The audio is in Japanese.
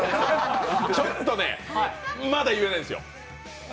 ちょっとね、まだ言えないんですよ。